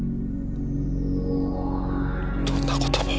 どんなことも。